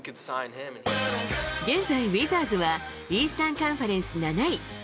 現在、ウィザーズはイースタン・カンファレンス７位。